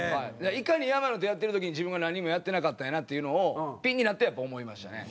いかに山名とやってる時に自分が何もやってなかったんやなっていうのをピンになってやっぱ思いましたね。